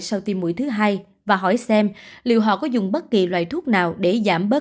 sau tiêm mũi thứ hai và hỏi xem liệu họ có dùng bất kỳ loại thuốc nào để giảm bớt